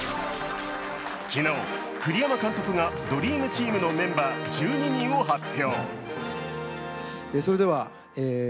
昨日、栗山監督がドリームチームのメンバー１２人を発表。